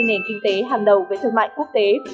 hai mươi nền kinh tế hàng đầu với thương mại quốc tế